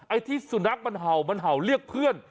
ไอ้ที่สุนัขมันเห่ามันเห่าเรียกเพื่อน